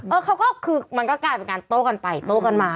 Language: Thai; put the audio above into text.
เออเขาก็คือมันก็กลายเป็นการโต้กันไปโต้กันมา